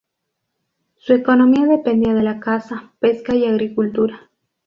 Su economía dependía de la caza, pesca y agricultura.